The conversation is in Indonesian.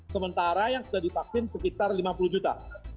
sementara yang sudah divaksin sekitar lima puluh juta